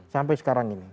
sampai sekarang ini